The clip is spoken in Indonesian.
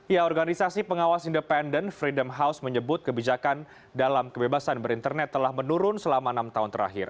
ya organisasi pengawas independen freedom house menyebut kebijakan dalam kebebasan berinternet telah menurun selama enam tahun terakhir